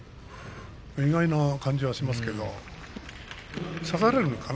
意外な感じはしますけれどもね、差されるのかな？